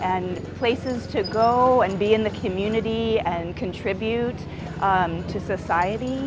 dan tempat untuk pergi dan berada di komunitas dan berkontribusi kepada masyarakat